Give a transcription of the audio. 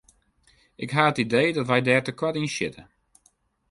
Ik ha it idee dat wy dêr te koart yn sjitte.